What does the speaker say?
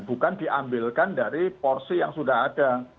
bukan diambilkan dari porsi yang sudah ada